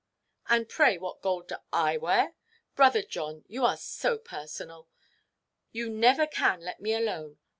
"And pray what gold do I wear? Brother John, you are so personal; you never can let me alone.